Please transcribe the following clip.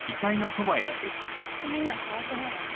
死体には触ってないわね？